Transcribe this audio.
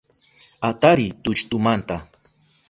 Atariy tulltumanta